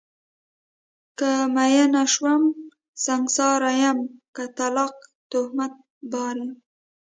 که میینه شوم سنګسار یم، که طلاقه تهمت بار یم